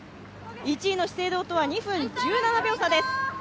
１位の資生堂とは２分１７秒差です。